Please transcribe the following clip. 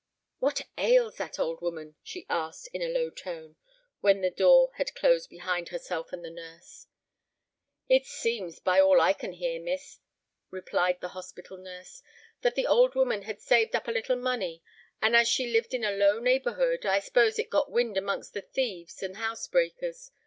"What ails that old woman?" she asked, in a low tone, when the door had closed behind herself and the nurse. "It seems, by all I can hear, Miss," replied the hospital nurse, "that the old woman had saved up a little money; and as she lived in a low neighbourhood, I 'spose it got wind amongst the thieves and housebreakers.